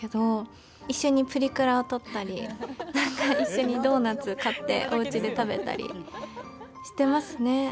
一緒にプリクラを撮ったり何か一緒にドーナツ買っておうちで食べたりしてますね。